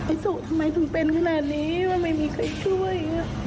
ไอ้สู่ทำไมถึงเป็นขนาดนี้แล้วไม่มีใครช่วย